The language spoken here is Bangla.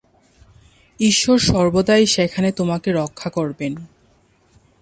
ঈশ্বর সর্বদাই সেখানে তোমাকে রক্ষা করবেন।